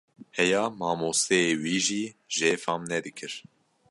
Heya mamosteyê wî jî jê fam nedikir.